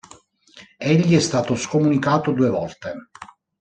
Egli è stato scomunicato due volte.